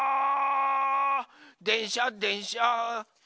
「でんしゃでんしゃ」